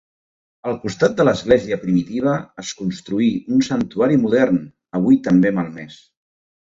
Al costat de l'església primitiva es construí un santuari modern, avui també malmès.